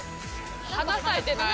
花咲いてない？